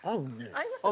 合いますね。